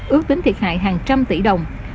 ước tính thiệt hại hàng trăm tỷ đồng